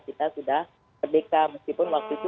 kita sudah ke dki meskipun waktu itu